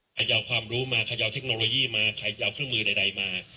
ใครจะเอาความรู้มาใครจะเอาเทคโนโลยีมาใครจะเอาเครื่องมือใดมา